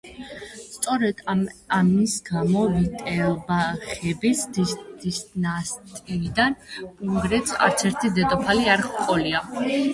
სწორედ ამის გამო ვიტელსბახების დინასტიიდან უნგრეთს არცერთი დედოფალი არ ჰყოლია.